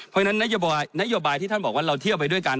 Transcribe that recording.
เพราะฉะนั้นนโยบายที่ท่านบอกว่าเราเที่ยวไปด้วยกัน